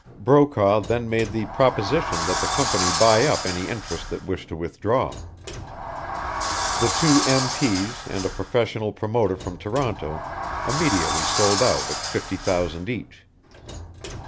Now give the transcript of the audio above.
Brokaw then made the proposition that the company buy up any interest that wished to withdraw. The two M. P.'s and a professional promoter from Toronto immediately sold out at fifty thousand each.